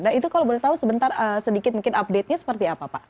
nah itu kalau boleh tahu sebentar sedikit mungkin update nya seperti apa pak